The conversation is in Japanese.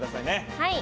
はい！